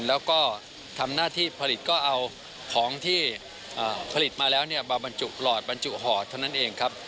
แล้วก็ทำหน้าที่ผลิตก็เอาของที่ผลิตมาแล้วเนี่ยมาบรรจุหลอดบรรจุห่อเท่านั้นเองครับ